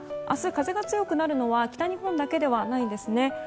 明日、風が強くなるのは北日本だけではないんですね。